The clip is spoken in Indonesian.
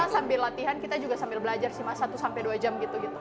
sambil latihan kita juga sambil belajar sih mas satu sampai dua jam gitu